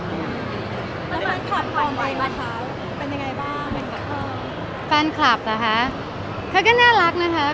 แล้วแฟนคลับขอบใจไหมคะเป็นยังไงบ้างแฟนคลับนะคะ